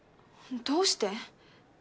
どうして？